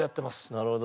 なるほど。